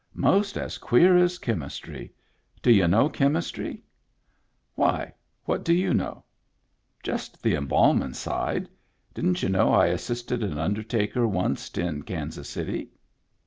" Most as queer as chemistry. D' y'u know chemistry }"" Why, what do you know ?"" Just the embalmin* side. Didn't y'u know I assisted an undertaker wunst in Kansas City